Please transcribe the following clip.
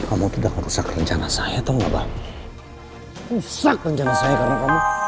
kamu tidak merusak rencana saya tau gak bang